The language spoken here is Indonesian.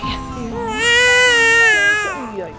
saya jangan sedih